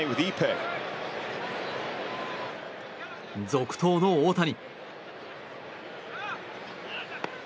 続投の大谷。